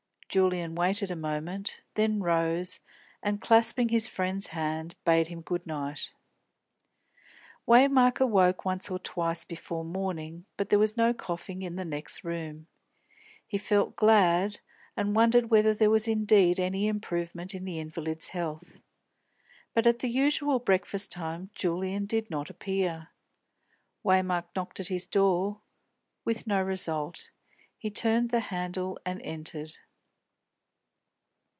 Julian waited a moment, then rose and, clasping his friend's hand, bade him good night. Waymark awoke once or twice before morning, but there was no coughing in the next room. He felt glad, and wondered whether there was indeed any improvement in the invalid's health. But at the usual breakfast time Julian did not appear. Waymark knocked at his door, with no result. He turned the handle and entered.